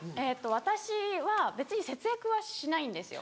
私は別に節約はしないんですよ。